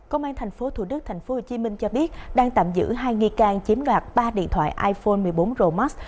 công an tp thủ đức tp hcm cho biết đang tạm giữ hai nghi can chiếm đoạt ba điện thoại iphone một mươi bốn romax